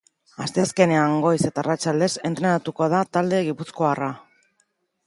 Asteazkenean goiz eta arratsaldez entrenatuko da talde gipuzkoarra.